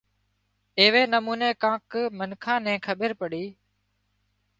ايوي نموني ڪانڪ منکان نين کٻير پڙي